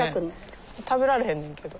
食べられへんねんけど。